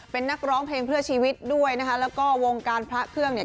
เป็นนักร้องเพลงเพื่อชีวิตด้วยนะคะแล้วก็วงการพระเครื่องเนี่ย